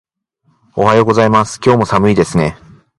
おはようございます。今日も寒いですね。